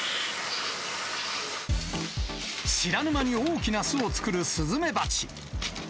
知らぬ間に大きな巣を作るスズメバチ。